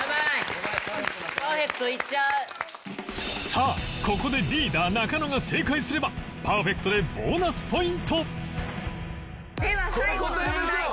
さあここでリーダー中野が正解すればパーフェクトでボーナスポイントでは最後の問題。